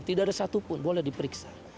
tidak ada satu pun boleh diperiksa